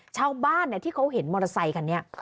ชาวบ้านที่เขาเห็นมอเตอร์ไซคันนี้